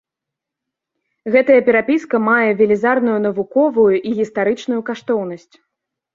Гэтая перапіска мае велізарную навуковую і гістарычную каштоўнасць.